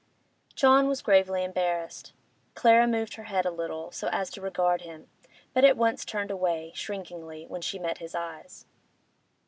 John was gravely embarrassed. Clara moved her head a little, so as to regard him, but at once turned away, shrinkingly, when she met his eyes.